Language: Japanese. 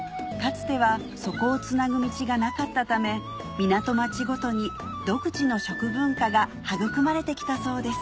つてはそこをつなぐ道がなかったため港町ごとに独自の食文化が育まれてきたそうです